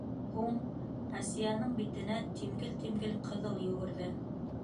Һуң, - Асияның битенә тимгел-тимгел ҡыҙыл йүгерҙе.